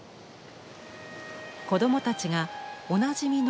子どもたちがおなじみの浦島